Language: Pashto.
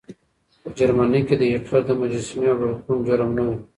په جرمني کې د هېټلر د مجسمې وړل کوم جرم نه و.